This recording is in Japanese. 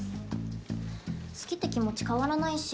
好きって気持ち変わらないし。